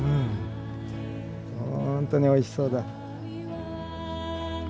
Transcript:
ほんとにおいしそうだ。